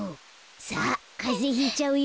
さあかぜひいちゃうよ。